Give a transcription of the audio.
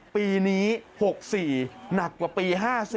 ปีนี้๖๔หนักกว่าปี๕๔